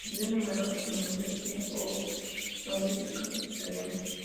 Recibió numerosas membresías honoríficas australianas.